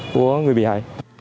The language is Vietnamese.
của người bị hại